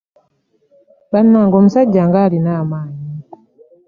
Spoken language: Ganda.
Bannange omusajja ng'alina amaanyi.